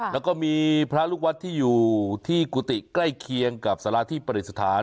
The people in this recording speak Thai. แล้วก็มีพระลูกวัดที่อยู่ที่กุฏิใกล้เคียงกับสาราที่ประดิษฐาน